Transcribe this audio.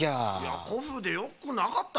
こふうでよくなかった？